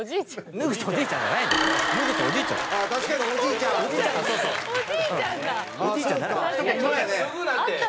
脱ぐなって。